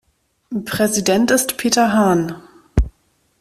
Präsident ist Peter Hahn.